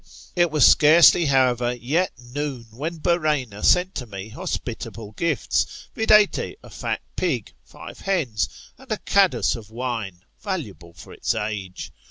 It was sc&rcely, however, yet noon, when Byrrhaena sent to me hospitable gifts, viz. a fat pig, five hens, and a cadus^ of wine valuable for its age.